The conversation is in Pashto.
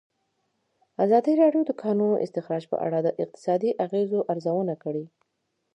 ازادي راډیو د د کانونو استخراج په اړه د اقتصادي اغېزو ارزونه کړې.